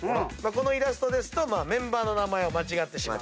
このイラストですとメンバーの名前を間違ってしまう。